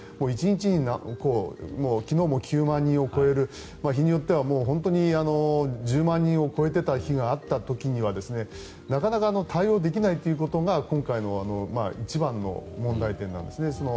１日に昨日も９万人を超える日によっては１０万人を超えていた日があった時にはなかなか対応できないということが今回の一番の問題点です。